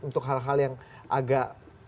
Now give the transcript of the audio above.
untuk hal hal yang agak